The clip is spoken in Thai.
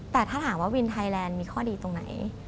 แต่ถ้าถามว่าวินไทยแลนด์มีข้อดีตรงไหน